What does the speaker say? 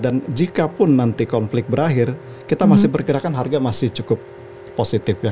dan jikapun nanti konflik berakhir kita masih berkira kan harga masih cukup positif ya